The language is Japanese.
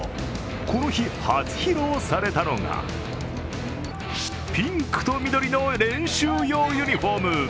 この日、初披露されたのがピンクと緑の練習用ユニフォーム。